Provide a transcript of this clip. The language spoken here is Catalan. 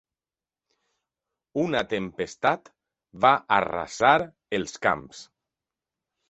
Una tempestat va arrasar els camps.